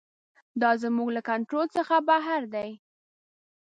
دا زموږ له کنټرول څخه بهر دی.